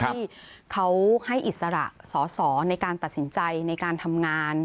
ที่เขาให้อิสระสอสอในการตัดสินใจในการทำงาน